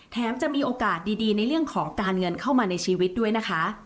จะมีโอกาสดีในเรื่องของการเงินเข้ามาในชีวิตด้วยนะคะ